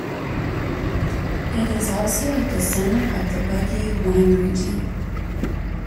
It is also at the centre of the Bugey wine region.